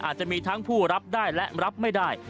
อาจจะมีทั้งผู้รับได้และรับไม่ได้